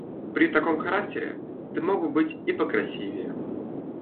При таком характере ты мог бы быть и покрасивее.